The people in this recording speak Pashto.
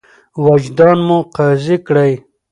وجدان مو قاضي کړئ.